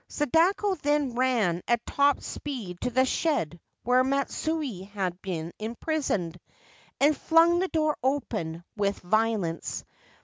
Sadako then ran at top speed to the shed where Matsue had been imprisoned, and flung the door open with violence.